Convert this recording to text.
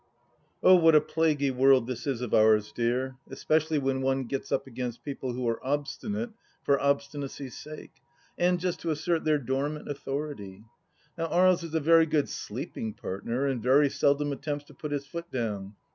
Oh what a plaguy world this is of ours, dear, especially when one gets up against people who are obstinate for obstinacy's sake and just to assert their dormant authority. Now Aries is a very good sleeping partner and very seldom attempts to put his foot down.